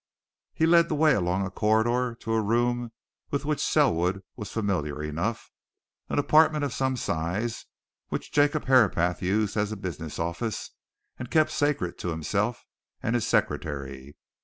He led the way along a corridor to a room with which Selwood was familiar enough an apartment of some size which Jacob Herapath used as a business office and kept sacred to himself and his secretary.